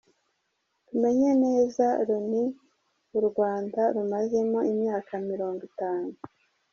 Tumenye neza Loni u Rwanda rumazemo imyaka mirongo itanu